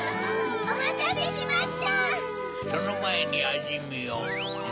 おまたせしました！